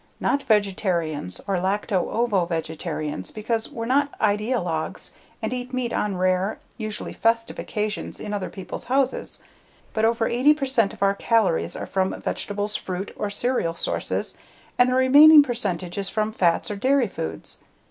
Not vegetarians, or lacto ovo vegetarians because we're not ideologues and eat meat on rare, usually festive occasions in other peoples' houses. But over 80 percent of our calories are from vegetable, fruit, or cereal sources and the remaining percentage is from fats or dairy foods.